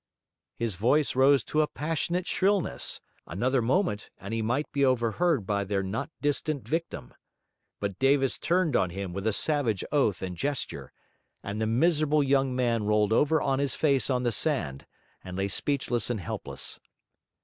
His voice rose to a passionate shrillness; another moment, and he might be overheard by their not distant victim. But Davis turned on him with a savage oath and gesture; and the miserable young man rolled over on his face on the sand, and lay speechless and helpless.